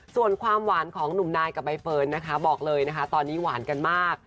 ส่วนความหวานของหนุ่มนายกับใบเฟิร์นนะคะบอกเลยนะคะตอนนี้หวานกันมาก